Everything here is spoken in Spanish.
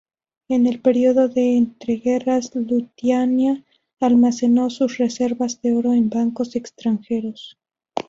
En el periodo de entreguerras Lituania almacenó sus reservas de oro en bancos extranjeros.